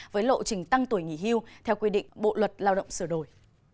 với lộ trình tăng tuổi nghỉ hưu theo quy định bộ luật lao động sửa đổi